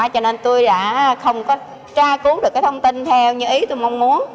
cho nên tôi đã không có tra cứu được cái thông tin theo như ý tôi mong muốn